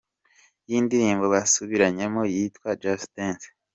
Y indirimbo basubiranyemo yitwa ‘Just Dance’.